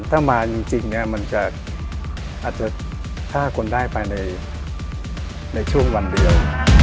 ถ้ามาจริงมันจะอาจจะฆ่าคนได้ไปในช่วงวันเดียว